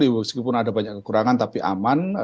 meskipun ada banyak kekurangan tapi aman